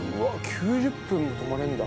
９０分も止まれるんだ。